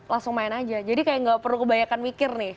langsung main aja jadi kayak nggak perlu kebanyakan mikir nih